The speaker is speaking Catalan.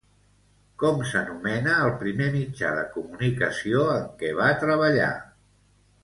Com s'anomena el primer mitjà de comunicació en què va treballar?